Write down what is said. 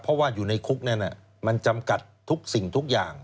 เพราะว่าอยู่ในคุกนั้นมันจำกัดทุกสิ่งทุกอย่าง